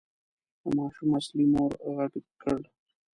د ماشوم اصلي مور غږ کړ.